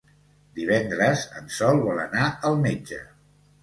Divendres en Sol vol anar al metge.